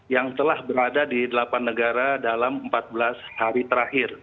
yang telah berada di delapan negara dalam empat belas hari terakhir